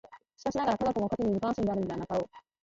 しかしながら、科学も価値に無関心であるのではなかろう。